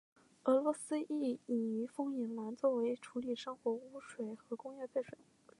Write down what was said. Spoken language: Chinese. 俄罗斯亦引入凤眼蓝作为处理生活污水和工业废水。